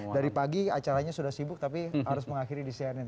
dari pagi acaranya sudah sibuk tapi harus mengakhiri di cnn